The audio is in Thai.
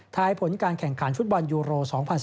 ผลการแข่งขันฟุตบอลยูโร๒๐๑๙